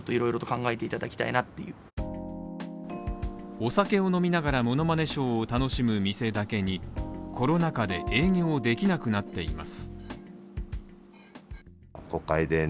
お酒を飲みながらものまねショーを楽しむ店だけに、コロナ禍で営業できなくなっています。